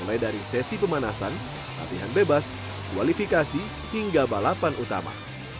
mulai dari sesi pemanasan latihan bebas kualifikasi hingga balapan utama